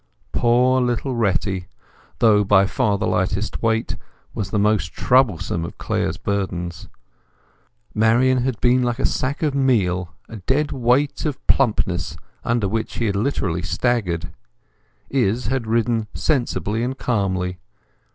Poor little Retty, though by far the lightest weight, was the most troublesome of Clare's burdens. Marian had been like a sack of meal, a dead weight of plumpness under which he has literally staggered. Izz had ridden sensibly and calmly.